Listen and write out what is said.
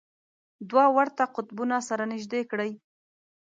دوه ورته قطبونه سره نژدې کړئ.